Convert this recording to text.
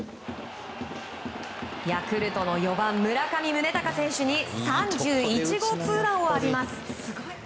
ヤクルトの４番、村上宗隆選手に３１号ツーランを浴びます。